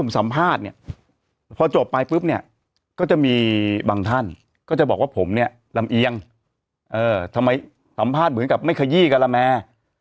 สัมภาษณ์เหมือนกับไม่ขยี้การแมร์